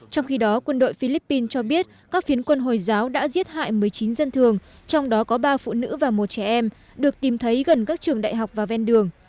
trong khi đó quân đội philippines cho biết các phiến quân hồi giáo đã giết hại một mươi chín dân thường trong đó có ba phụ nữ và một trẻ em được tìm thấy gần các trường đại học và ven đường